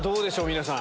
皆さん。